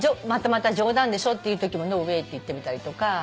またまた冗談でしょって言うときも「Ｎｏｗａｙ．」って言ってみたりとか。